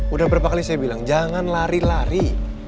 udah berapa kali saya bilang jangan lari lari